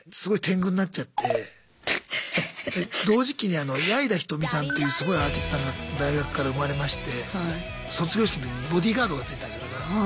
それですごい同時期に矢井田瞳さんっていうすごいアーティストさんが大学から生まれまして卒業式の時にボディーガードがついてたんですよ。